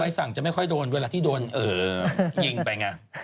สั่งจะไม่ค่อยโดนเวลาที่โดนยิงไปไง